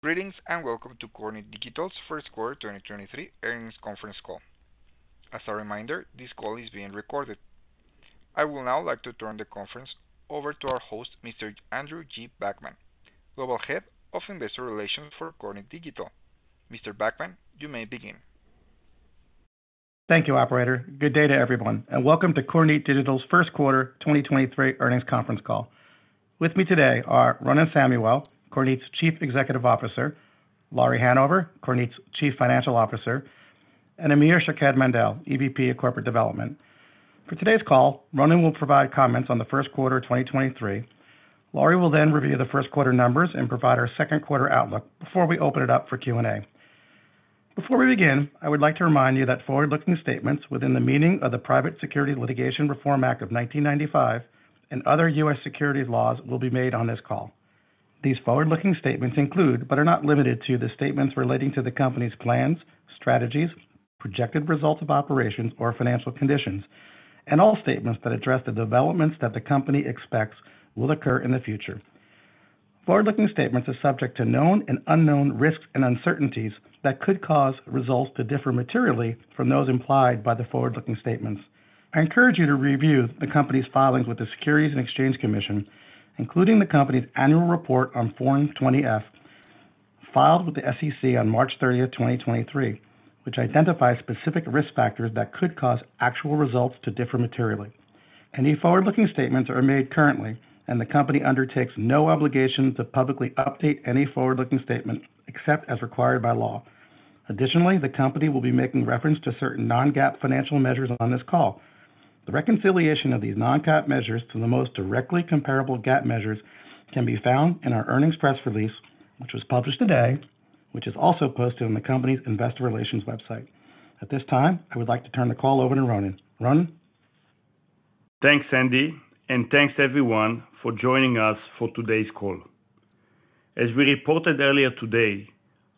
Greetings, and welcome to Kornit Digital's Q1 2023 earnings conference call. As a reminder, this call is being recorded. I would now like to turn the conference over to our host, Mr. Andrew G. Backman, Global Head of Investor Relations for Kornit Digital. Mr. Backman, you may begin. Thank you, operator. Good day to everyone, and welcome to Kornit Digital's Q1 2023 earnings conference call. With me today are Ronen Samuel, Kornit's Chief Executive Officer, Lauri Hanover, Kornit's Chief Financial Officer, and Amir Shaked-Mandel, EVP Corporate Development. For today's call, Ronen will provide comments on the Q1 of 2023. Lauri will then review the Q1 numbers and provide our Q2 outlook before we open it up for Q&A. Before we begin, I would like to remind you that forward-looking statements within the meaning of the Private Securities Litigation Reform Act of 1995 and other U.S. security laws will be made on this call. These forward-looking statements include, but are not limited to, the statements relating to the company's plans, strategies, projected results of operations, or financial conditions, and all statements that address the developments that the company expects will occur in the future. Forward-looking statements are subject to known and unknown risks and uncertainties that could cause results to differ materially from those implied by the forward-looking statements. I encourage you to review the company's filings with the Securities and Exchange Commission, including the company's annual report on Form 20-F filed with the SEC on March 30th, 2023, which identifies specific risk factors that could cause actual results to differ materially. Any forward-looking statements are made currently, and the company undertakes no obligation to publicly update any forward-looking statement except as required by law. Additionally, the company will be making reference to certain non-GAAP financial measures on this call. The reconciliation of these non-GAAP measures to the most directly comparable GAAP measures can be found in our earnings press release, which was published today, which is also posted on the company's investor relations website. At this time, I would like to turn the call over to Ronen. Ronen? Thanks, Andy, thanks everyone for joining us for today's call. As we reported earlier today,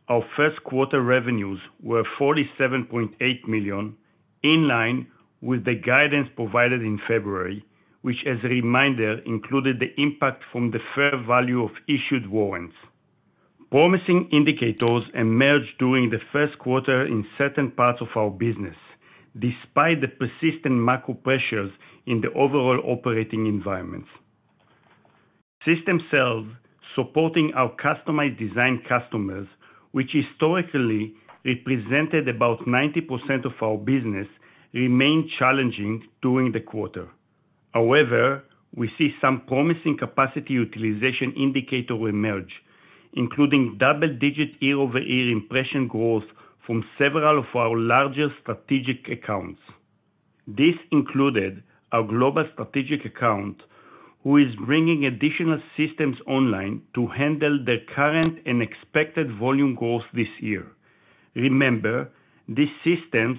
our Q1 revenues were $47.8 million, in line with the guidance provided in February, which, as a reminder, included the impact from the fair value of issued warrants. Promising indicators emerged during the Q1 in certain parts of our business, despite the persistent macro pressures in the overall operating environment. System sales supporting our customized design customers, which historically represented about 90% of our business, remained challenging during the quarter. However, we see some promising capacity utilization indicator emerge, including double-digit year-over-year impression growth from several of our larger strategic accounts. This included our global strategic account, who is bringing additional systems online to handle their current and expected volume growth this year. Remember, these systems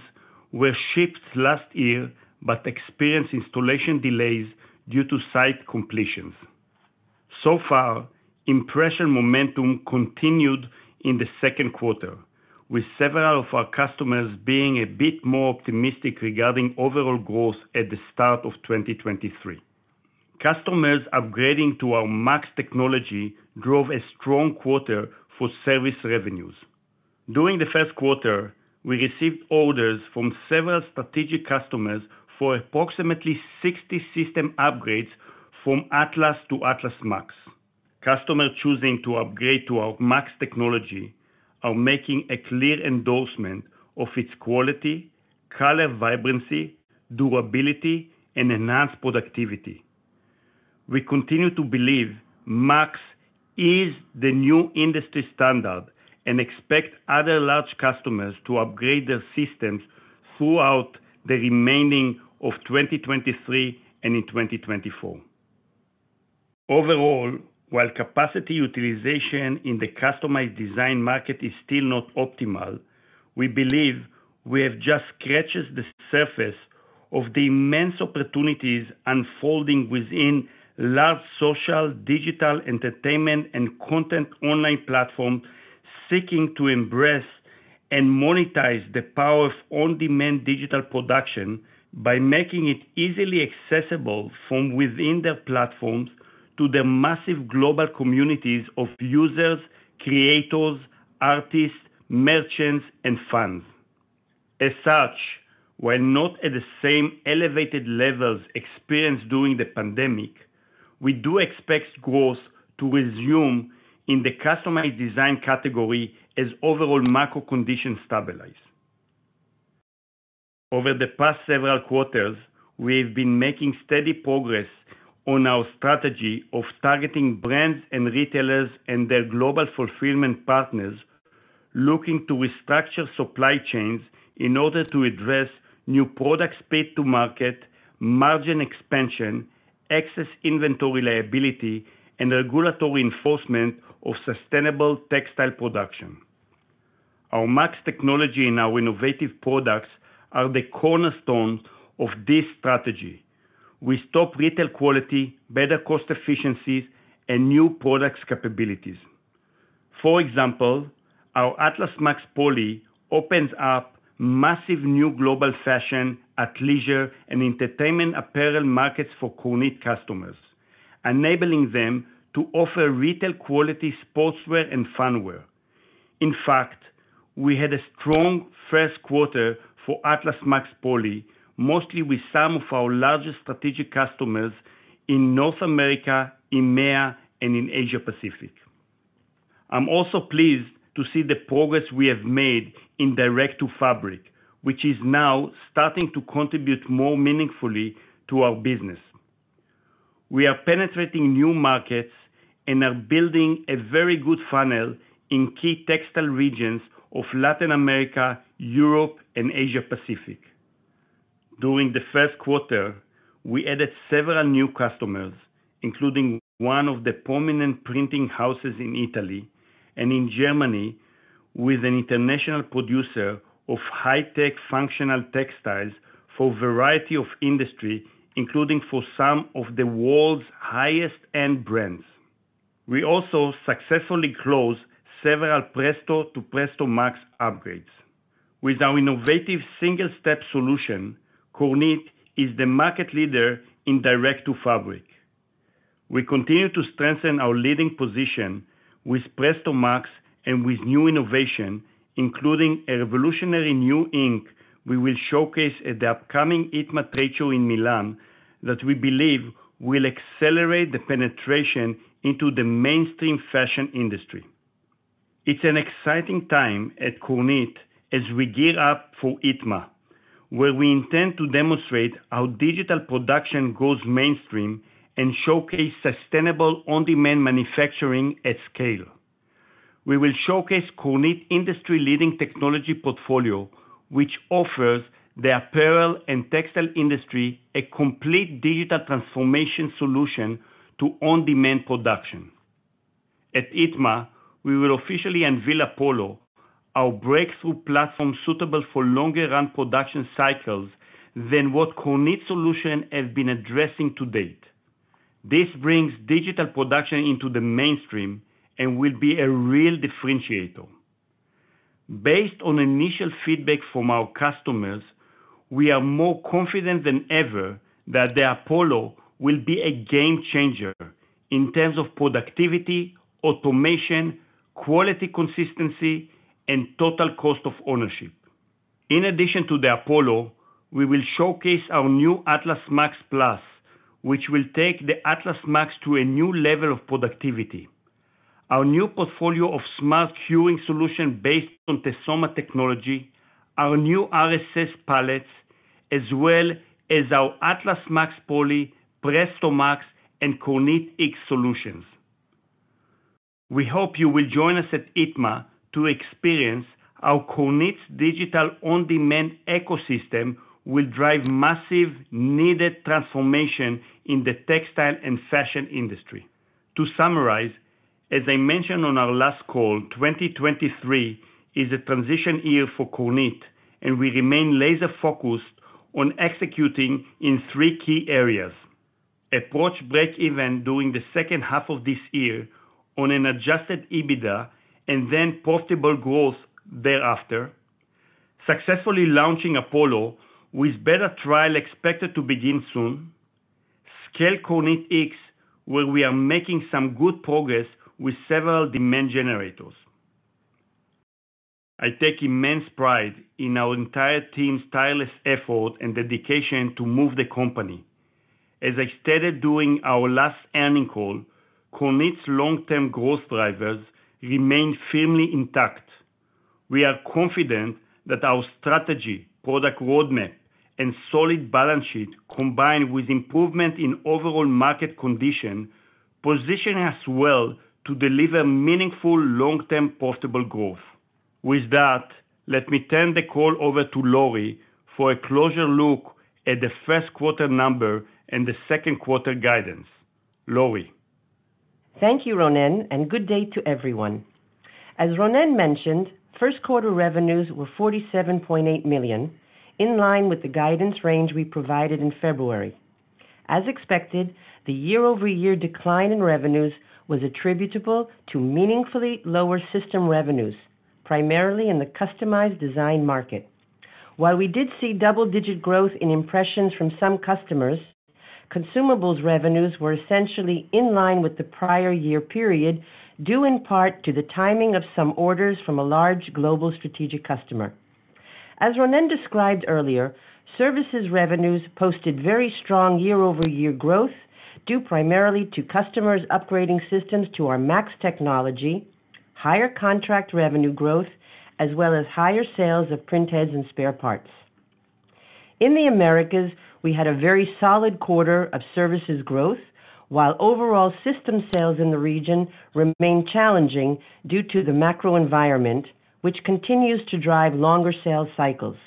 were shipped last year but experienced installation delays due to site completions. Far, impression momentum continued in the Q2, with several of our customers being a bit more optimistic regarding overall growth at the start of 2023. Customers upgrading to our MAX technology drove a strong quarter for service revenues. During the Q1, we received orders from several strategic customers for approximately 60 system upgrades from Atlas to Atlas MAX. Customer choosing to upgrade to our MAX technology are making a clear endorsement of its quality, color vibrancy, durability, and enhanced productivity. We continue to believe MAX is the new industry standard and expect other large customers to upgrade their systems throughout the remaining of 2023 and in 2024. Overall, while capacity utilization in the customized design market is still not optimal, we believe we have just scratched the surface of the immense opportunities unfolding within large social, digital, entertainment, and content online platform seeking to embrace and monetize the power of on-demand digital production by making it easily accessible from within their platforms to the massive global communities of users, creators, artists, merchants, and fans. As such, while not at the same elevated levels experienced during the pandemic, we do expect growth to resume in the customized design category as overall macro conditions stabilize. Over the past several quarters, we have been making steady progress on our strategy of targeting brands and retailers and their global fulfillment partners looking to restructure supply chains in order to address new products paid to market, margin expansion, excess inventory liability, and regulatory enforcement of sustainable textile production. Our MAX technology and our innovative products are the cornerstone of this strategy. We stock retail quality, better cost efficiencies, and new products capabilities. For example. Our Atlas MAX POLY opens up massive new global fashion, athleisure, and entertainment apparel markets for Kornit customers, enabling them to offer retail quality sportswear and fan wear. In fact, we had a strong Q1 for Atlas MAX POLY, mostly with some of our largest strategic customers in North America, EMEA, and in Asia Pacific. I'm also pleased to see the progress we have made in direct-to-fabric, which is now starting to contribute more meaningfully to our business. We are penetrating new markets and are building a very good funnel in key textile regions of Latin America, Europe, and Asia Pacific. During the Q1, we added several new customers, including one of the prominent printing houses in Italy and in Germany with an international producer of high-tech functional textiles for a variety of industry, including for some of the world's highest-end brands. We also successfully closed several Presto to Presto MAX upgrades. With our innovative single-step solution, Kornit is the market leader in direct-to-fabric. We continue to strengthen our leading position with Presto MAX and with new innovation, including a revolutionary new ink we will showcase at the upcoming ITMA trade show in Milan that we believe will accelerate the penetration into the mainstream fashion industry. It's an exciting time at Kornit as we gear up for ITMA, where we intend to demonstrate how digital production goes mainstream and showcase sustainable on-demand manufacturing at scale. We will showcase Kornit industry-leading technology portfolio, which offers the apparel and textile industry a complete digital transformation solution to on-demand production. At ITMA, we will officially unveil Apollo, our breakthrough platform suitable for longer run production cycles than what Kornit solution have been addressing to date. This brings digital production into the mainstream and will be a real differentiator. Based on initial feedback from our customers, we are more confident than ever that the Apollo will be a game changer in terms of productivity, automation, quality consistency, and total cost of ownership. In addition to the Apollo, we will showcase our new Atlas MAX PLUS, which will take the Atlas MAX to a new level of productivity. Our new portfolio of smart curing solution based on TESOMA technology, our new RSS palettes, as well as our Atlas MAX POLY, Presto MAX, and KornitX solutions. We hope you will join us at ITMA to experience how Kornit Digital on-demand ecosystem will drive massive needed transformation in the textile and fashion industry. To summarize, as I mentioned on our last call, 2023 is a transition year for Kornit, and we remain laser-focused on executing in three key areas. Approach breakeven during the second half of this year on an adjusted EBITDA and then profitable growth thereafter. Successfully launching Apollo with beta trial expected to begin soon. Scale KornitX, where we are making some good progress with several demand generators. I take immense pride in our entire team's tireless effort and dedication to move the company. As I stated during our last earning call, Kornit's long-term growth drivers remain firmly intact. We are confident that our strategy, product roadmap, and solid balance sheet, combined with improvement in overall market condition, position us well to deliver meaningful, long-term profitable growth. With that, let me turn the call over to Lauri for a closer look at the Q1 number and the Q2 guidance. Lauri? Thank you, Ronen, and good day to everyone. As Ronen mentioned, Q1 revenues were $47.8 million, in line with the guidance range we provided in February. As expected, the year-over-year decline in revenues was attributable to meaningfully lower system revenues, primarily in the customized design market. While we did see double-digit growth in impressions from some customers, consumables revenues were essentially in line with the prior year period, due in part to the timing of some orders from a large global strategic customer. As Ronen described earlier, services revenues posted very strong year-over-year growth due primarily to customers upgrading systems to our MAX technology, higher contract revenue growth, as well as higher sales of print heads and spare parts. In the Americas, we had a very solid quarter of services growth, while overall system sales in the region remain challenging due to the macro environment, which continues to drive longer sales cycles.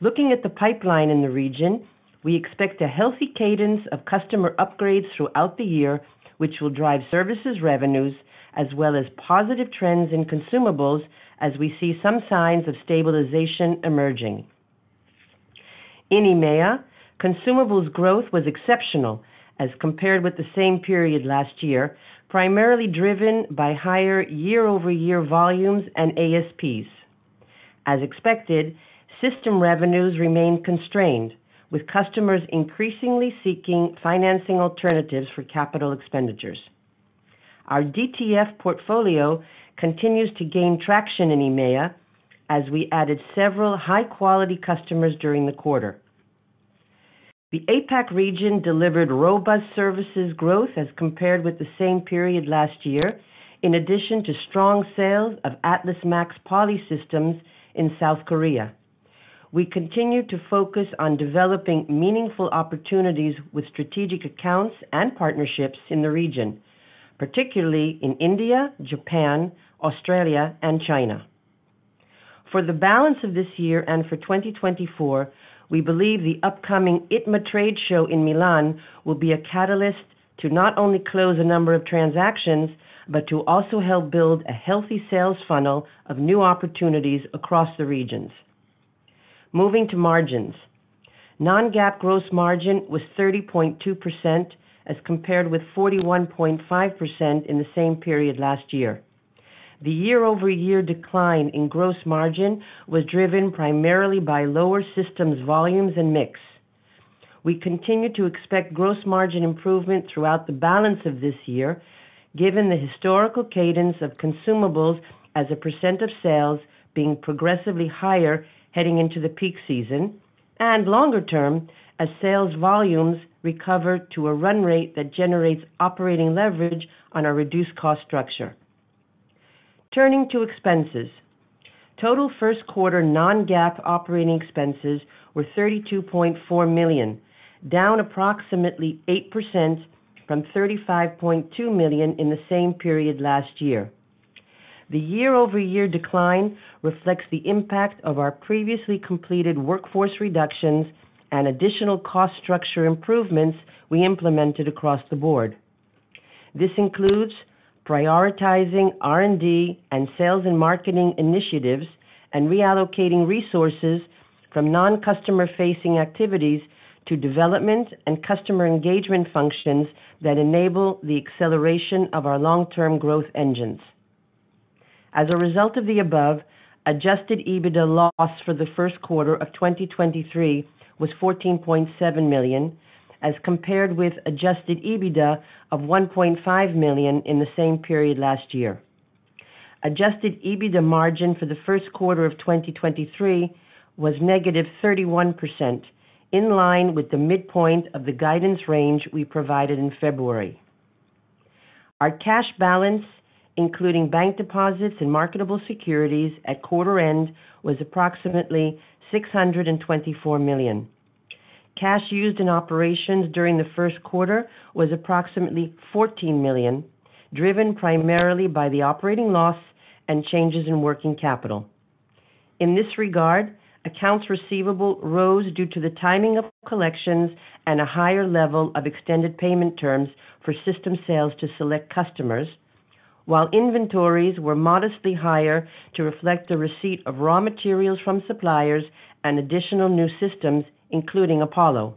Looking at the pipeline in the region, we expect a healthy cadence of customer upgrades throughout the year, which will drive services revenues as well as positive trends in consumables as we see some signs of stabilization emerging. In EMEA, consumables growth was exceptional as compared with the same period last year, primarily driven by higher year-over-year volumes and ASPs. As expected, system revenues remained constrained, with customers increasingly seeking financing alternatives for capital expenditures. Our DTF portfolio continues to gain traction in EMEA as we added several high-quality customers during the quarter. The APAC region delivered robust services growth as compared with the same period last year, in addition to strong sales of Atlas MAX Poly systems in South Korea. We continue to focus on developing meaningful opportunities with strategic accounts and partnerships in the region, particularly in India, Japan, Australia, and China. For the balance of this year and for 2024, we believe the upcoming ITMA trade show in Milan will be a catalyst to not only close a number of transactions, but to also help build a healthy sales funnel of new opportunities across the regions. Moving to margins. Non-GAAP gross margin was 30.2% as compared with 41.5% in the same period last year. The year-over-year decline in gross margin was driven primarily by lower systems, volumes, and mix. We continue to expect gross margin improvement throughout the balance of this year, given the historical cadence of consumables as a percent of sales being progressively higher heading into the peak season and longer-term as sales volumes recover to a run rate that generates operating leverage on our reduced cost structure. Turning to expenses. Total Q1 non-GAAP operating expenses were $32.4 million, down approximately 8% from $35.2 million in the same period last year. The year-over-year decline reflects the impact of our previously completed workforce reductions and additional cost structure improvements we implemented across the board. This includes prioritizing R&D and sales and marketing initiatives, and reallocating resources from non-customer facing activities to development and customer engagement functions that enable the acceleration of our long-term growth engines. As a result of the above, adjusted EBITDA loss for the Q1 of 2023 was $14.7 million, as compared with adjusted EBITDA of $1.5 million in the same period last year. Adjusted EBITDA margin for the Q1 of 2023 was negative 31%, in line with the midpoint of the guidance range we provided in February. Our cash balance, including bank deposits and marketable securities at quarter end, was approximately $624 million. Cash used in operations during the Q1 was approximately $14 million, driven primarily by the operating loss and changes in working capital. In this regard, accounts receivable rose due to the timing of collections and a higher level of extended payment terms for system sales to select customers, while inventories were modestly higher to reflect the receipt of raw materials from suppliers and additional new systems, including Apollo.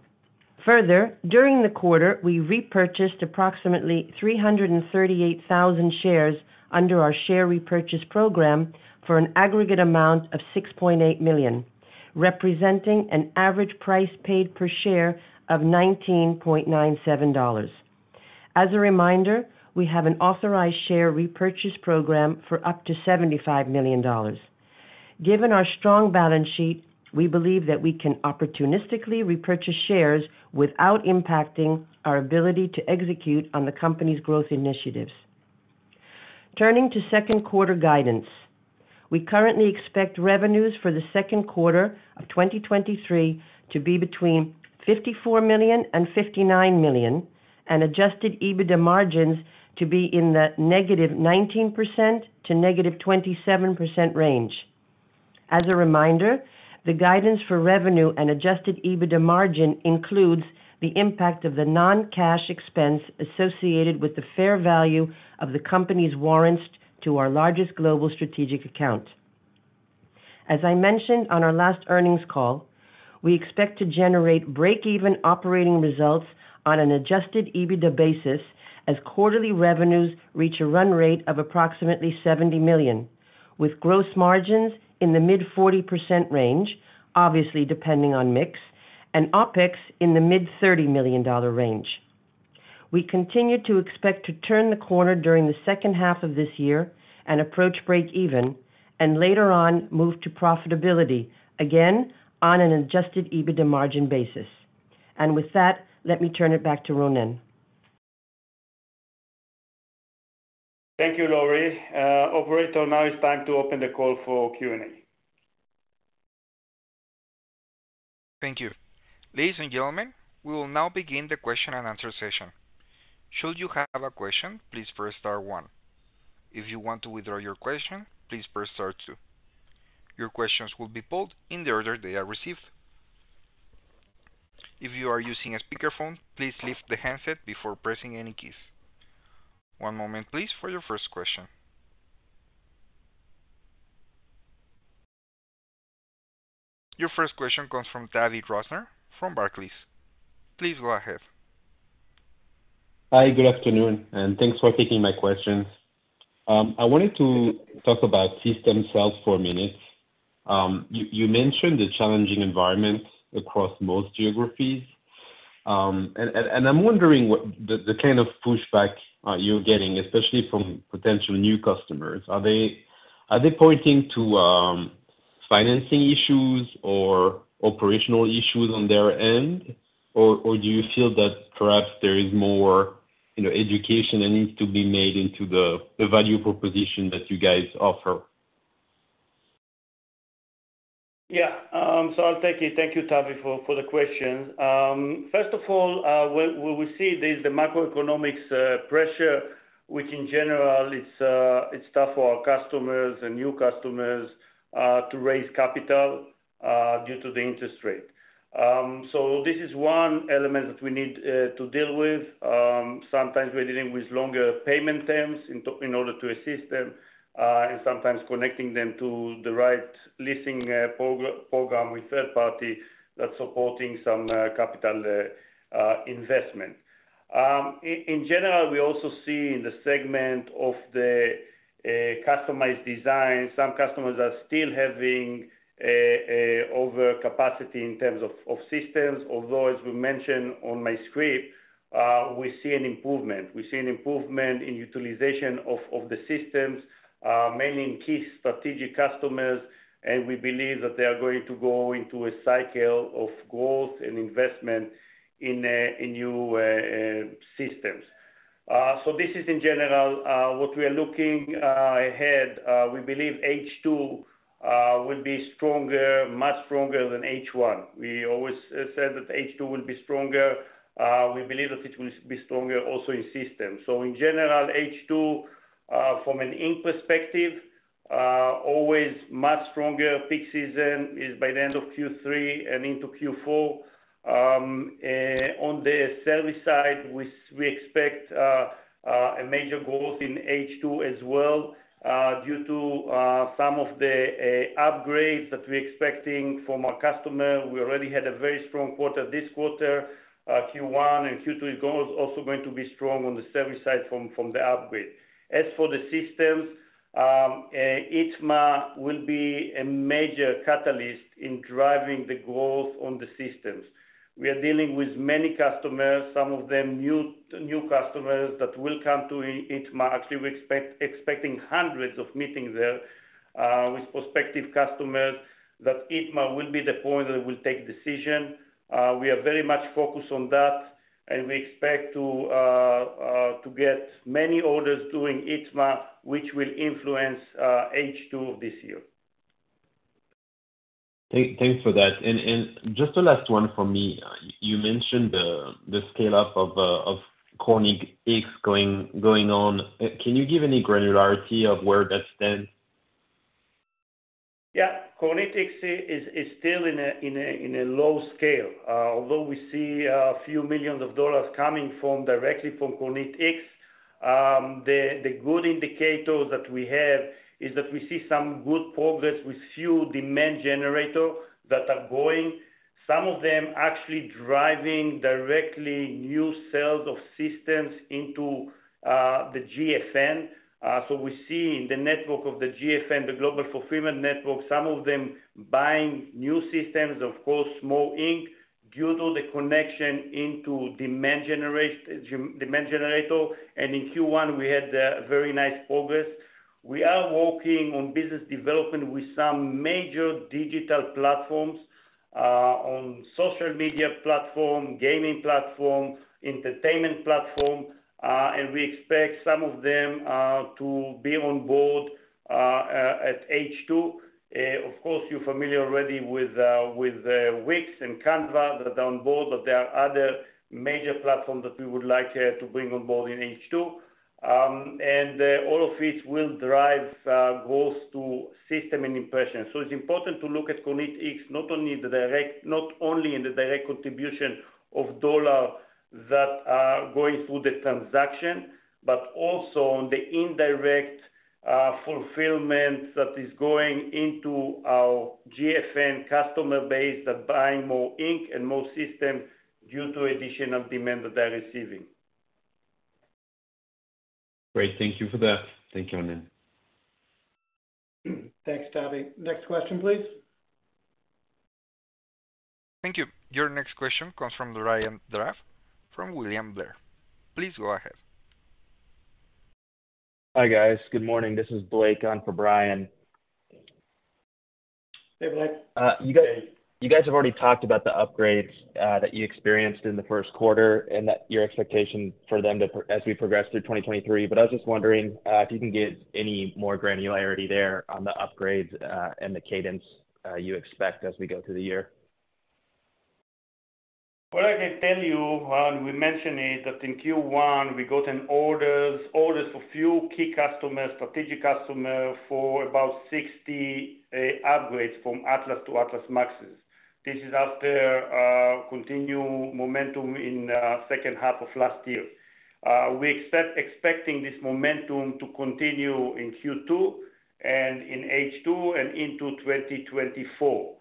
Further, during the quarter, we repurchased approximately 338,000 shares under our share repurchase program for an aggregate amount of $6.8 million, representing an average price paid per share of $19.97. As a reminder, we have an authorized share repurchase program for up to $75 million. Given our strong balance sheet, we believe that we can opportunistically repurchase shares without impacting our ability to execute on the company's growth initiatives. Turning to Q2 guidance. We currently expect revenues for the Q2 of 2023 to be between $54 million and $59 million, and adjusted EBITDA margins to be in the negative 19% to negative 27% range. As a reminder, the guidance for revenue and adjusted EBITDA margin includes the impact of the non-cash expense associated with the fair value of the company's warrants to our largest global strategic account. As I mentioned on our last earnings call, we expect to generate break-even operating results on an adjusted EBITDA basis as quarterly revenues reach a run rate of approximately $70 million, with gross margins in the mid-40% range, obviously depending on mix, and OpEx in the mid $30 million range. We continue to expect to turn the corner during the second half of this year and approach break even, and later on, move to profitability again on an adjusted EBITDA margin basis. With that, let me turn it back to Ronen. Thank you, Lori. Operator, now it's time to open the call for Q&A. Thank you. Ladies and gentlemen, we will now begin the question and answer session. Should you have a question, please press star one. If you want to withdraw your question, please press star two. Your questions will be pulled in the order they are received. If you are using a speakerphone, please lift the handset before pressing any keys. One moment, please, for your first question. Your first question comes from Tavy Rosner from Barclays. Please go ahead. Hi, good afternoon, and thanks for taking my questions. I wanted to talk about system sales for a minute. You mentioned the challenging environment across most geographies. I'm wondering what the kind of pushback are you getting, especially from potential new customers. Are they pointing to financing issues or operational issues on their end? Do you feel that perhaps there is more, you know, education that needs to be made into the value proposition that you guys offer? Yeah. I'll take it. Thank you, Tavy, for the question. First of all, what we see there is the macroeconomics pressure, which in general it's tough for our customers and new customers to raise capital due to the interest rate. This is one element that we need to deal with. Sometimes we're dealing with longer payment terms in order to assist them, and sometimes connecting them to the right leasing program with third party that's supporting some capital investment. In general, we also see in the segment of the customized design, some customers are still having over capacity in terms of systems. Although as we mentioned on my script, we see an improvement. We see an improvement in utilization of the systems, mainly in key strategic customers, and we believe that they are going to go into a cycle of growth and investment in new systems. This is in general what we are looking ahead. We believe H2 will be stronger, much stronger than H1. We always said that H2 will be stronger. We believe that it will be stronger also in systems. In general, H2 from an ink perspective always much stronger. Peak season is by the end of Q3 and into Q4. On the service side, we expect a major growth in H2 as well due to some of the upgrades that we're expecting from our customer. We already had a very strong quarter this quarter. Q1 and Q2 also going to be strong on the service side from the upgrade. For the systems, ITMA will be a major catalyst in driving the growth on the systems. We are dealing with many customers, some of them new customers that will come to ITMA. We expecting hundreds of meetings there with prospective customers that ITMA will be the point that will take decision. We are very much focused on that, we expect to get many orders during ITMA, which will influence H2 this year. Thanks for that. Just the last one for me. You mentioned the scale-up of KornitX going on. Can you give any granularity of where that stands? Yeah. KornitX is still in a low scale. Although we see a few million dollars coming directly from KornitX, the good indicator that we have is that we see some good progress with few demand generator that are going. Some of them actually driving directly new sales of systems into the GSN. We see in the network of the GSN, the Global Fulfillment Network, some of them buying new systems, of course, more ink, due to the connection into demand generator. In Q1, we had very nice progress. We are working on business development with some major digital platforms, on social media platform, gaming platform, entertainment platform, and we expect some of them to be on board at H2. Of course, you're familiar already with Wix.com and Canva that are on board, but there are other major platforms that we would like to bring on board in H2. All of it will drive growth to system and impression. It's important to look at KornitX not only in the direct contribution of dollar that are going through the transaction, but also on the indirect fulfillment that is going into our GFN customer base, that buying more ink and more system due to additional demand that they're receiving. Great. Thank you for that. Thank you, Ronen. Thanks, Tavy. Next question, please. Thank you. Your next question comes from Brian Drab from William Blair. Please go ahead. Hi, guys. Good morning. This is Blake on for Brian. Hey, Blake. You guys have already talked about the upgrades, that you experienced in the Q1 and that your expectation for them to as we progress through 2023. I was just wondering, if you can give any more granularity there on the upgrades, and the cadence, you expect as we go through the year. What I can tell you, and we mentioned it, that in Q1, we got orders for few key customers, strategic customers for about sixty. They upgrade from Atlas to Atlas MAXes. This is after continued momentum in second half of last year. We expecting this momentum to continue in Q2 and in H2 and into 2024.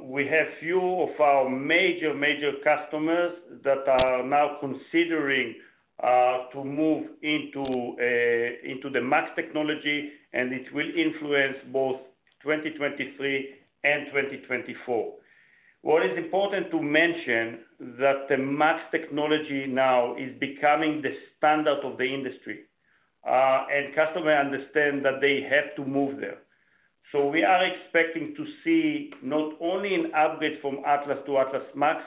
We have few of our major customers that are now considering to move into the MAX technology, it will influence both 2023 and 2024. What is important to mention that the MAX technology now is becoming the standard of the industry, customer understand that they have to move there. We are expecting to see not only an upgrade from Atlas to Atlas MAX,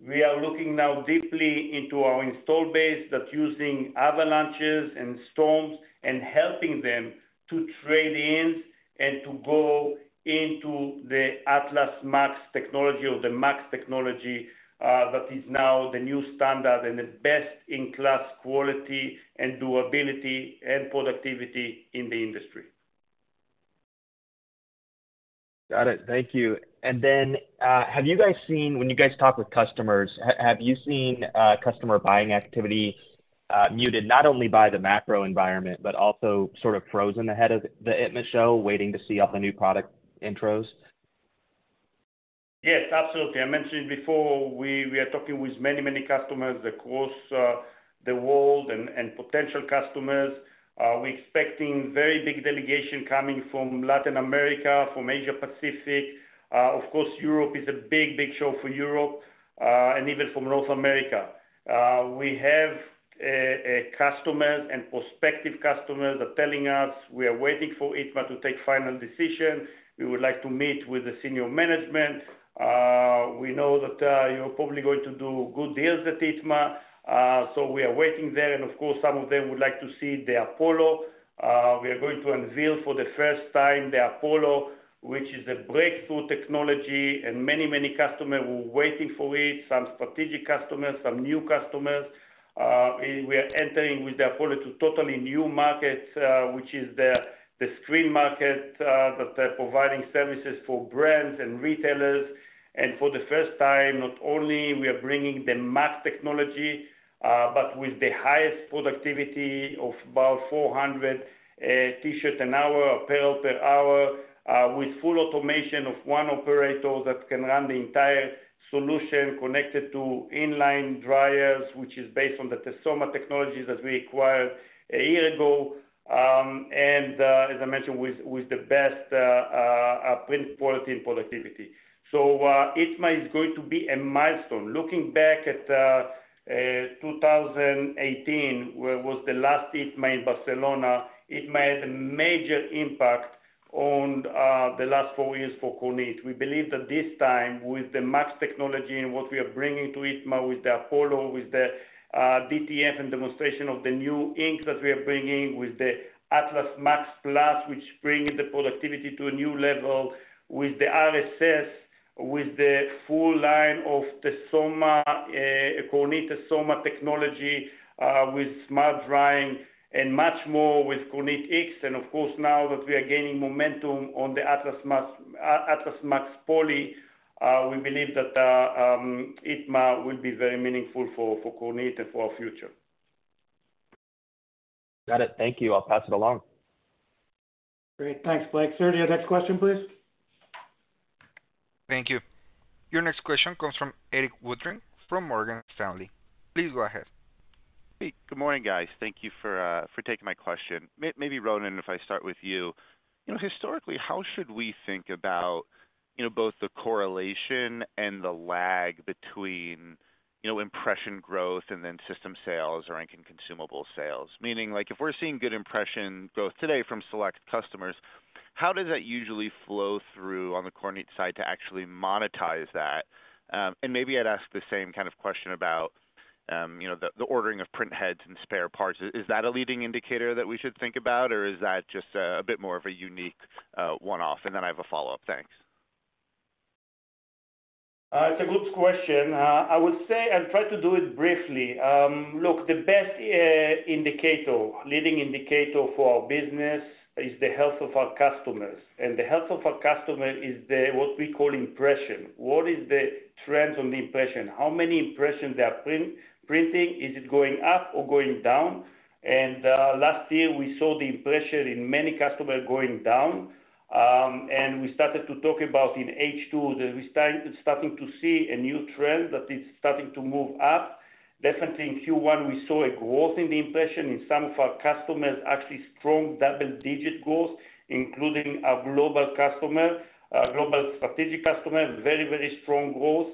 we are looking now deeply into our install base that using Avalanche and Storm and helping them to trade in and to go into the Atlas MAX technology or the MAX technology, that is now the new standard and the best-in-class quality and durability and productivity in the industry. Got it. Thank you. Then, when you guys talk with customers, have you seen customer buying activity muted, not only by the macro environment, but also sort of frozen ahead of the ITMA show, waiting to see all the new product intros? Yes, absolutely. I mentioned before we are talking with many, many customers across the world and potential customers. We expecting very big delegation coming from Latin America, from Asia Pacific. Of course, Europe is a big, big show for Europe, and even from North America. We have customers and prospective customers are telling us, "We are waiting for ITMA to take final decision. We would like to meet with the senior management. We know that you're probably going to do good deals at ITMA, so we are waiting there." Of course, some of them would like to see the Apollo. We are going to unveil for the first time the Apollo, which is a breakthrough technology, and many, many customer were waiting for it, some strategic customers, some new customers. We are entering with the Apollo to totally new markets, which is the screen market that are providing services for brands and retailers. For the first time, not only we are bringing the MAX technology, but with the highest productivity of about 400 T-shirt an hour or pair per hour, with full automation of 1 operator that can run the entire solution connected to in-line dryers, which is based on the Tesoma technologies that we acquired a year ago. As I mentioned with the best print quality and productivity. ITMA is going to be a milestone. Looking back at 2018, where was the last ITMA in Barcelona, ITMA had a major impact on the last four years for Kornit. We believe that this time, with the MAX technology and what we are bringing to ITMA with the Apollo, with the DTF and demonstration of the new ink that we are bringing, with the Atlas MAX PLUS, which bring the productivity to a new level, with the RSS, with the full line of Kornit Tesoma technology, with smart drying and much more with KornitX. Of course, now that we are gaining momentum on the Atlas MAX, Atlas MAX Poly, we believe that ITMA will be very meaningful for Kornit and for our future. Got it. Thank you. I'll pass it along. Great. Thanks, Blake. Sir, the next question, please. Thank you. Your next question comes from Erik Woodring from Morgan Stanley. Please go ahead. Hey. Good morning, guys. Thank you for taking my question. Maybe, Ronen, if I start with you. You know, historically, how should we think about, you know, both the correlation and the lag between, you know, impression growth and then system sales or ink and consumable sales? Meaning, like, if we're seeing good impression growth today from select customers, how does that usually flow through on the Kornit side to actually monetize that? Maybe I'd ask the same kind of question about, you know, the ordering of print heads and spare parts. Is that a leading indicator that we should think about, or is that just a bit more of a unique one-off? Then I have a follow-up. Thanks. It's a good question. I would say, I'll try to do it briefly. Look, the best indicator, leading indicator for our business is the health of our customers. The health of our customer is the what we call impression. What is the trends on the impression? How many impressions they are printing? Is it going up or going down? Last year, we saw the impression in many customer going down. We started to talk about in H2 that we starting to see a new trend that is starting to move up. Definitely in Q1, we saw a growth in the impression in some of our customers, actually strong double-digit growth, including our global customer, global strategic customer, very, very strong growth.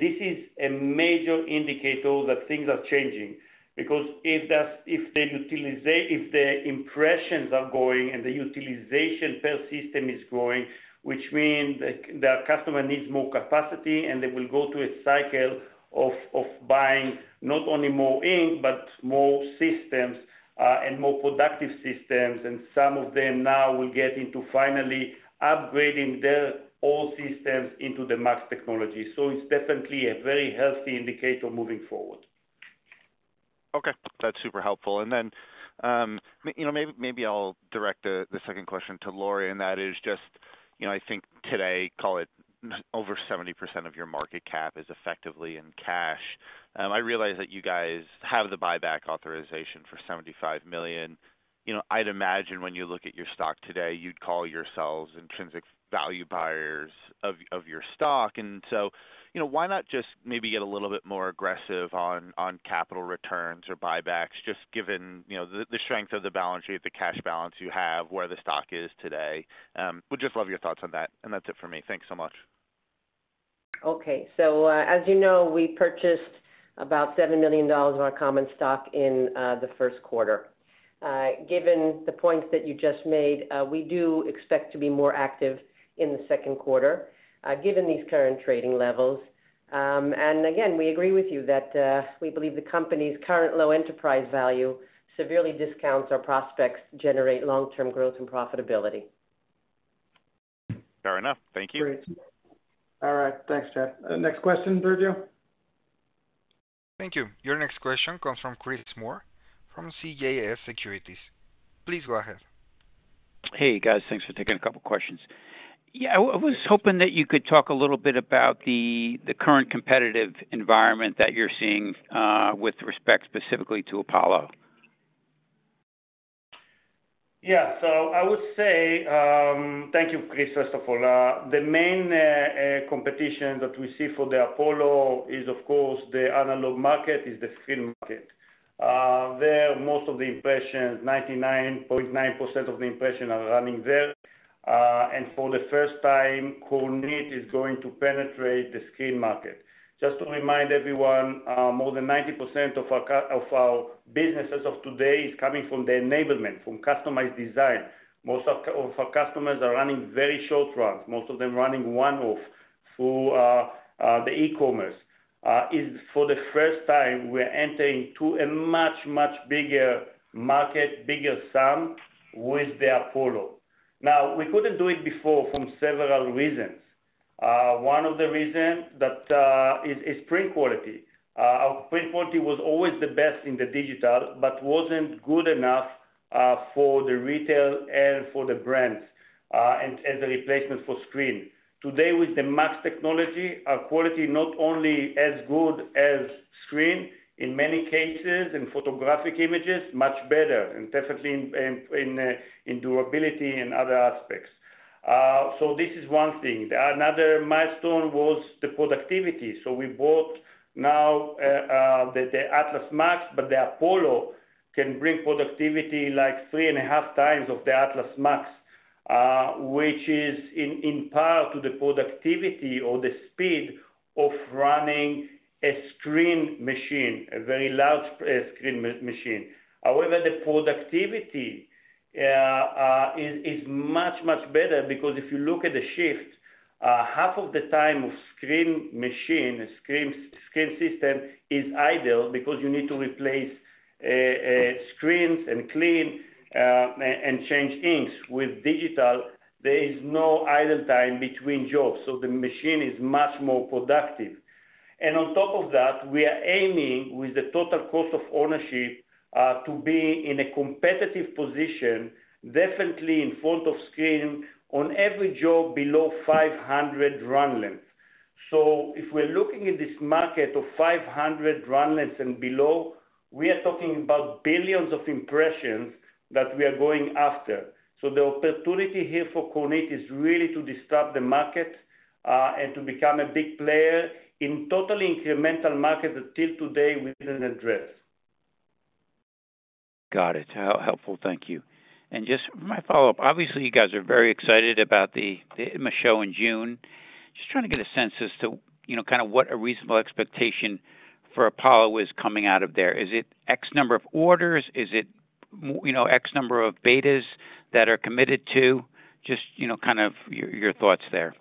This is a major indicator that things are changing. If that's, if the impressions are growing and the utilization per system is growing, which mean the customer needs more capacity, and they will go through a cycle of buying not only more ink, but more systems, and more productive systems. Some of them now will get into finally upgrading their old systems into the MAX technology. It's definitely a very healthy indicator moving forward. Okay, that's super helpful. Maybe I'll direct the second question to Laurie, and that is just, you know, I think today, call it over 70% of your market cap is effectively in cash. I realize that you guys have the buyback authorization for $75 million. You know, I'd imagine when you look at your stock today, you'd call yourselves intrinsic value buyers of your stock. Why not just maybe get a little bit more aggressive on capital returns or buybacks, just given, you know, the strength of the balance sheet, the cash balance you have, where the stock is today? Would just love your thoughts on that. That's it for me. Thanks so much. Okay. As you know, we purchased about $7 million of our common stock in the Q1. Given the points that you just made, we do expect to be more active in the Q2, given these current trading levels. Again, we agree with you that, we believe the company's current low enterprise value severely discounts our prospects to generate long-term growth and profitability. Fair enough. Thank you. Great. All right. Thanks, Chad. Next question, Sergio. Thank you. Your next question comes from Chris Moore from CJS Securities. Please go ahead. Hey, guys. Thanks for taking a couple questions. Yeah, I was hoping that you could talk a little bit about the current competitive environment that you're seeing with respect specifically to Apollo. I would say, Thank you, Chris, first of all. The main competition that we see for the Apollo is, of course, the analog market, is the screen market. There, most of the impressions, 99.9% of the impressions are running there. For the first time, Kornit is going to penetrate the screen market. Just to remind everyone, more than 90% of our businesses of today is coming from the enablement, from customized design. Most of our customers are running very short runs, most of them running 1-off through the e-commerce. Is for the first time we're entering to a much, much bigger market, bigger sum with the Apollo. We couldn't do it before from several reasons. One of the reasons that is print quality. Our print quality was always the best in the digital, but wasn't good enough for the retail and for the brands, and as a replacement for screen. Today, with the MAX technology, our quality not only as good as screen, in many cases, in photographic images, much better, and definitely in durability and other aspects. This is one thing. The another milestone was the productivity. We bought now the Atlas MAX, but the Apollo can bring productivity like 3.5 times of the Atlas MAX, which is in par to the productivity or the speed of running a screen machine, a very large screen machine. However, the productivity is much, much better because if you look at the shift, half of the time of screen machine, screen system is idle because you need to replace screens and clean and change inks. With digital, there is no idle time between jobs, so the machine is much more productive. On top of that, we are aiming with the total cost of ownership to be in a competitive position, definitely in front of screen on every job below 500 run lengths. If we're looking at this market of 500 run lengths and below, we are talking about billions of impressions that we are going after. The opportunity here for Kornit is really to disrupt the market and to become a big player in totally incremental market until today we didn't address. Got it. How helpful. Thank you. Just my follow-up, obviously, you guys are very excited about the ITMA show in June. Just trying to get a sense as to, you know, kind of what a reasonable expectation for Apollo is coming out of there. Is it X number of orders? Is it you know, X number of betas that are committed to? Just, you know, kind of your thoughts there.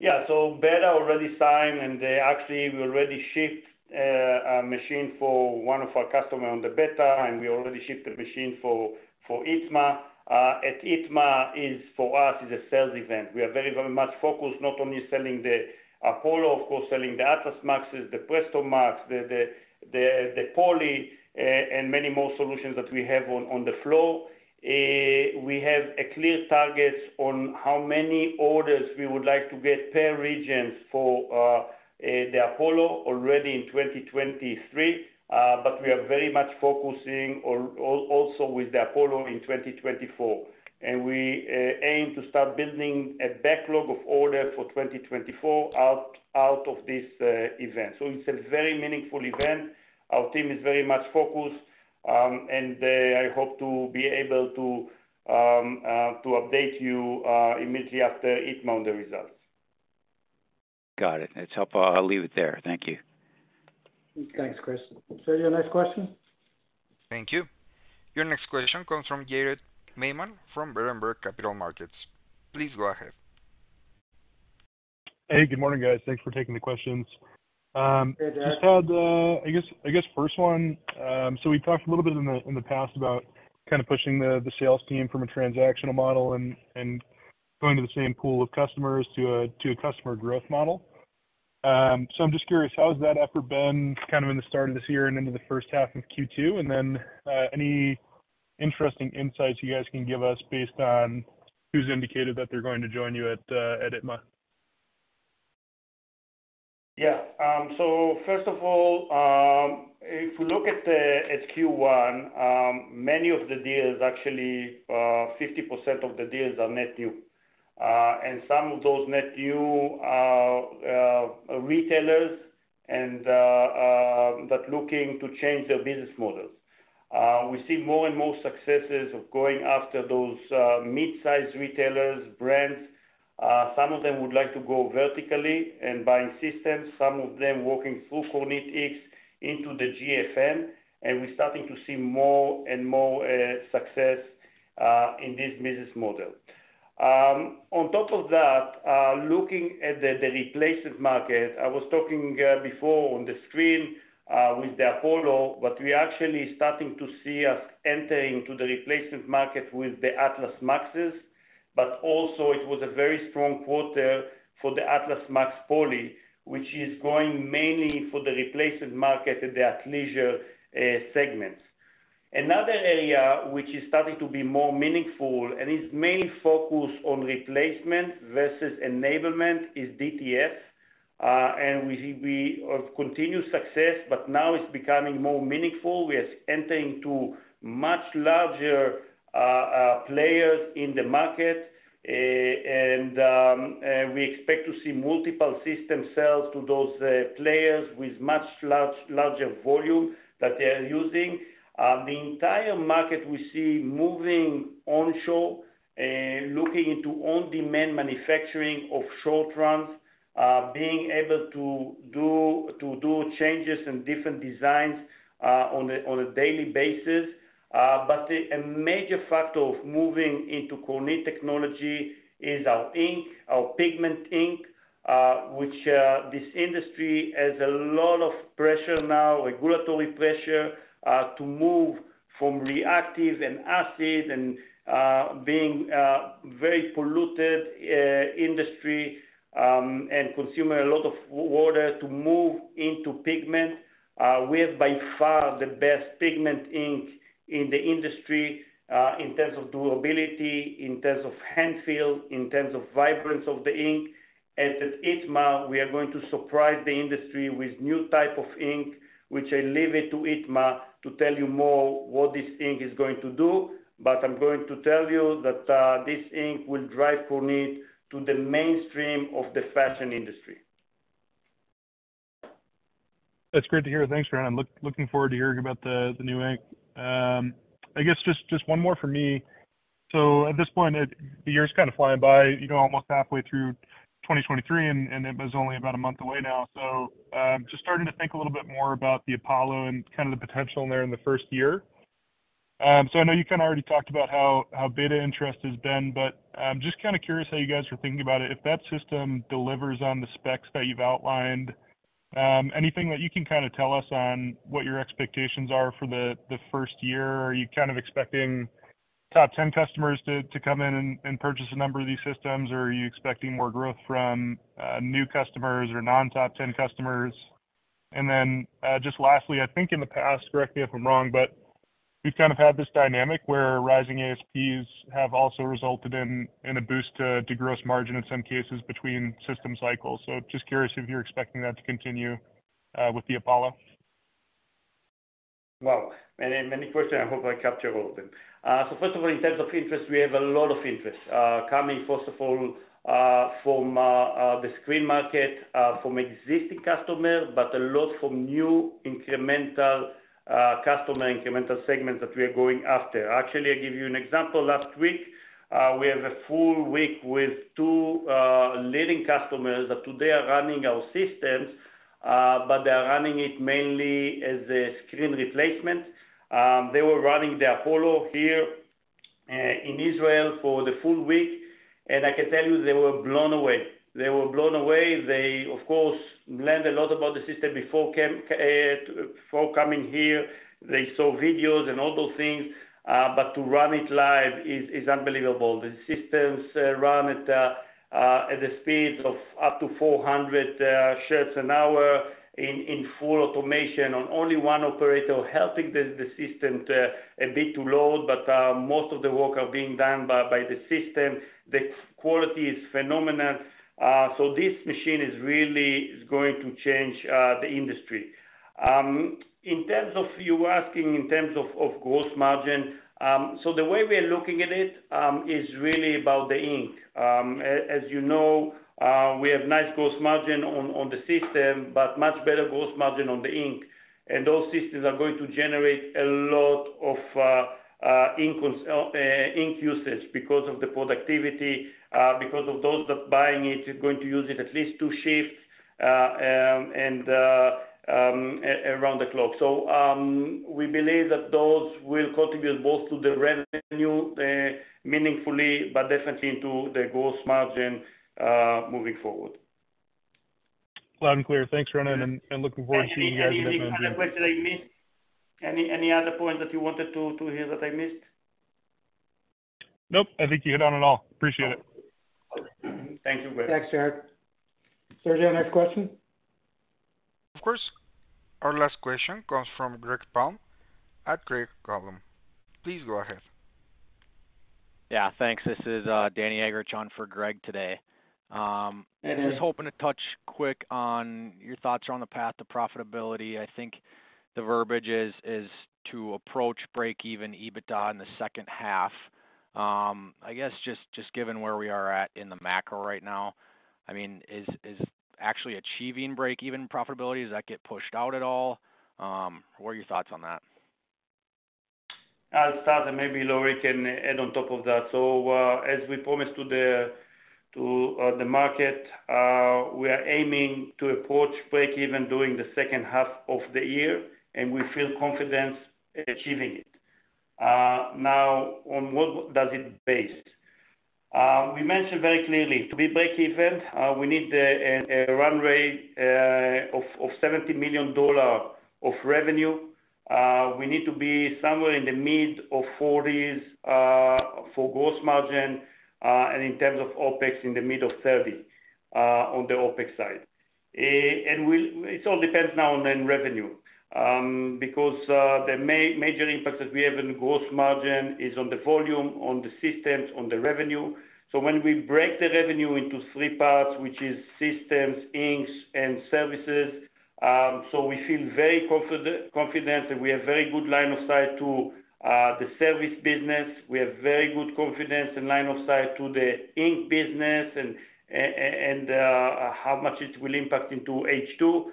Beta already signed, and actually, we already shipped a machine for one of our customer on the beta, and we already shipped the machine for ITMA. At ITMA is, for us, is a sales event. We are very, very much focused not only selling the Apollo, of course, selling the Atlas MAXes, the Presto MAX, the Poly, and many more solutions that we have on the floor. We have a clear targets on how many orders we would like to get per regions for the Apollo already in 2023, but we are very much focusing also with the Apollo in 2024. We aim to start building a backlog of order for 2024 out of this event. It's a very meaningful event. Our team is very much focused, and I hope to be able to update you immediately after ITMA on the results. Got it. It's helpful. I'll leave it there. Thank you. Thanks, Chris. Sergio next question. Thank you. Your next question comes from Jared Maymon from Berenberg Capital Markets. Please go ahead. Hey, good morning, guys. Thanks for taking the questions. Hey, Jared. Just had, I guess first one. We talked a little bit in the past about kinda pushing the sales team from a transactional model and going to the same pool of customers to a customer growth model. I'm just curious, how has that effort been kind of in the start of this year and into the first half of Q2? Any interesting insights you guys can give us based on who's indicated that they're going to join you at ITMA? Yeah. First of all, if you look at Q1, many of the deals actually, 50% of the deals are net new. Some of those net new are retailers and that looking to change their business models. We see more and more successes of going after those mid-size retailers, brands. Some of them would like to go vertically and buying systems, some of them working through KornitX into the GFN, and we're starting to see more and more success in this business model. On top of that, looking at the replacement market, I was talking before on the screen with the Apollo, but we actually starting to see us entering to the replacement market with the Atlas MAXes. Also it was a very strong quarter for the Atlas MAX POLY, which is going mainly for the replacement market at the athleisure segment. Another area which is starting to be more meaningful and is mainly focused on replacement versus enablement is DTS. We have continued success, but now it's becoming more meaningful. We are entering to much larger players in the market. We expect to see multiple system sales to those players with much larger volume that they are using. The entire market we see moving onshore, looking into on-demand manufacturing of short runs, being able to do changes in different designs on a daily basis. A major factor of moving into Kornit technology is our ink, our pigment ink, which this industry has a lot of pressure now, regulatory pressure, to move from reactive and acid and being very polluted industry, and consuming a lot of water to move into pigment. We have by far the best pigment ink in the industry, in terms of durability, in terms of hand-feel, in terms of vibrance of the ink. At ITMA, we are going to surprise the industry with new type of ink, which I leave it to ITMA to tell you more what this ink is going to do. I'm going to tell you that this ink will drive Kornit to the mainstream of the fashion industry. That's great to hear. Thanks, Ron. I'm looking forward to hearing about the new ink. I guess just one more for me. At this point, the year's kinda flying by, you know, almost halfway through 2023, and ITMA's only about one month away now. Just starting to think a little bit more about the Apollo and kinda the potential in there in the first year. I know you kinda already talked about how beta interest has been, but I'm just kinda curious how you guys are thinking about it. If that system delivers on the specs that you've outlined, anything that you can kinda tell us on what your expectations are for the first year? Are you kind of expecting top 10 customers to come in and purchase a number of these systems, or are you expecting more growth from new customers or non-top 10 customers? Just lastly, I think in the past, correct me if I'm wrong, but you've kind of had this dynamic where rising ASPs have also resulted in a boost to gross margin in some cases between system cycles. Just curious if you're expecting that to continue with the Apollo. Wow! Many question. I hope I capture all of them. First of all, in terms of interest, we have a lot of interest coming first of all from the screen market, from existing customers, but a lot from new incremental customer incremental segments that we are going after. Actually, I give you an example. Last week, we have a full week with two leading customers that today are running our systems, but they are running it mainly as a screen replacement. They were running the Apollo here in Israel for the full week. I can tell you, they were blown away. They were blown away. They, of course, learned a lot about the system before coming here. They saw videos and all those things. To run it live is unbelievable. The systems run at the speed of up to 400 shirts an hour in full automation on only one operator helping the system a bit to load, but most of the work are being done by the system. The quality is phenomenal. This machine is really going to change the industry. In terms of you asking in terms of gross margin, the way we are looking at it is really about the ink. As you know, we have nice gross margin on the system, but much better gross margin on the ink. Those systems are going to generate a lot of ink usage because of the productivity, because of those that buying it is going to use it at least two shifts and around the clock. We believe that those will contribute both to the revenue meaningfully, but definitely to the gross margin moving forward. Loud and clear. Thanks, Ron, and looking forward to seeing you guys in November. Any other question I missed? Any other point that you wanted to hear that I missed? Nope. I think you hit on it all. Appreciate it. Thank you very much. Thanks, Erik. Sergio, next question. Of course. Our last question comes from Greg Palm at Craig-Hallum. Please go ahead. Yeah, thanks. This is Danny Eggerichs on for Greg today. Just hoping to touch quick on your thoughts on the path to profitability. I think the verbiage is to approach break-even EBITDA in the second half. I guess just given where we are at in the macro right now, I mean, is actually achieving break-even profitability, does that get pushed out at all? What are your thoughts on that? I'll start. Maybe Lori can add on top of that. As we promised to the market, we are aiming to approach break-even during the H2 of the year, and we feel confident achieving it. Now, on what does it based? We mentioned very clearly, to be break-even, we need a run rate of $70 million of revenue. We need to be somewhere in the mid-40s% for gross margin, and in terms of OpEx, in the mid-30s% on the OpEx side. It all depends now on end revenue, because the major impact that we have in gross margin is on the volume, on the systems, on the revenue. When we break the revenue into three parts, which is systems, inks, and services, we feel very confident, and we have very good line of sight to the service business. We have very good confidence and line of sight to the ink business and how much it will impact into H2.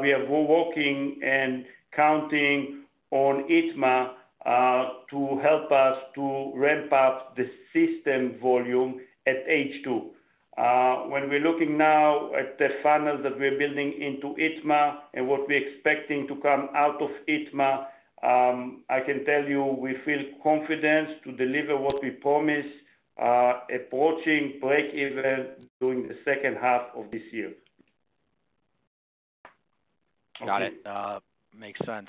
We are walking and counting on ITMA to help us to ramp up the system volume at H2. When we're looking now at the funnel that we're building into ITMA and what we're expecting to come out of ITMA, I can tell you, we feel confident to deliver what we promised, approaching break-even during the H2 of this year. Got it. makes sense.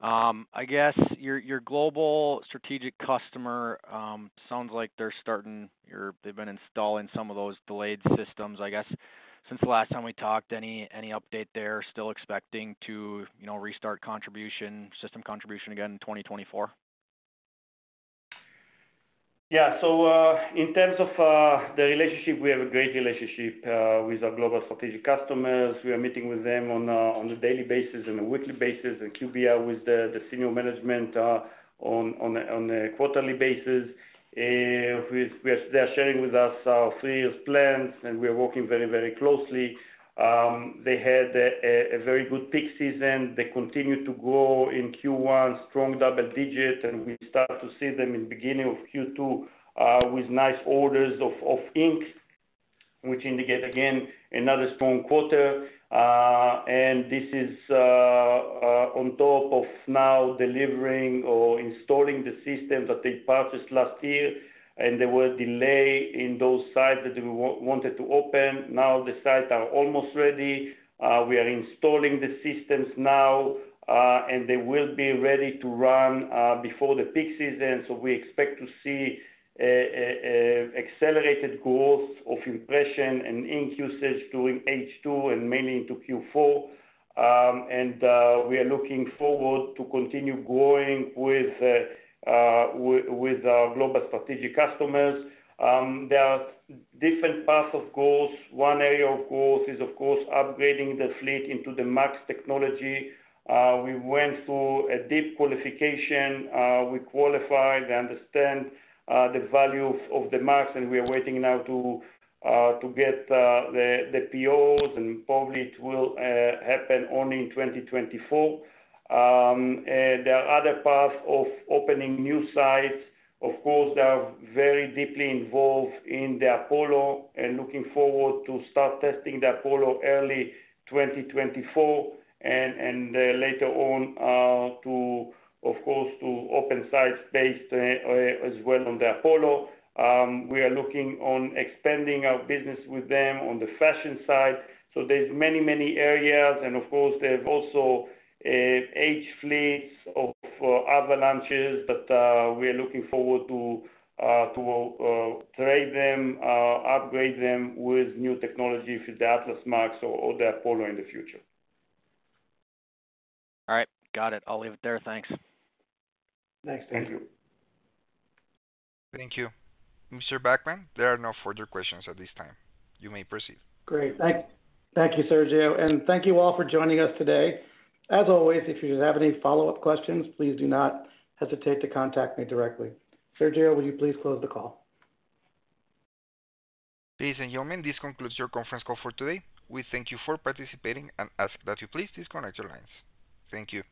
I guess your global strategic customer sounds like they're starting or they've been installing some of those delayed systems, I guess. Since the last time we talked, any update there? Still expecting to, you know, restart contribution, system contribution again in 2024? In terms of the relationship, we have a great relationship with our global strategic customers. We are meeting with them on a daily basis and a weekly basis, and QBR with the senior management on a quarterly basis. They're sharing with us our three years plans, and we are working very, very closely. They had a very good peak season. They continued to grow in Q1, strong double digit, and we start to see them in beginning of Q2 with nice orders of ink, which indicate again, another strong quarter. This is on top of now delivering or installing the system that they purchased last year, and there were delay in those sites that we wanted to open. Now the sites are almost ready. We are installing the systems now, and they will be ready to run before the peak season. We expect to see accelerated growth of impression and ink usage during H2 and mainly into Q4. We are looking forward to continue growing with our global strategic customers. There are different paths of growth. One area of growth is, of course, upgrading the fleet into the MAX technology. We went through a deep qualification. We qualified, they understand the value of the MAX, and we are waiting now to get the POs, and probably it will happen only in 2024. There are other paths of opening new sites. They are very deeply involved in the Apollo and looking forward to start testing the Apollo early 2024, and later on, of course, to open sites based as well on the Apollo. We are looking on expanding our business with them on the fashion side. There's many, many areas, of course, they've also aged fleets of other launches that we are looking forward to trade them, upgrade them with new technology for the Atlas MAX or the Apollo in the future. All right. Got it. I'll leave it there. Thanks. Thanks. Thank you. Thank you. Mr. Backman, there are no further questions at this time. You may proceed. Great. Thank you, Sergio. Thank you all for joining us today. As always, if you have any follow-up questions, please do not hesitate to contact me directly. Sergio, will you please close the call? Ladies and gentlemen, this concludes your conference call for today. We thank you for participating and ask that you please disconnect your lines. Thank you.